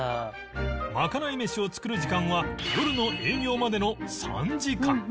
まかない飯を作る時間は夜の営業までの３時間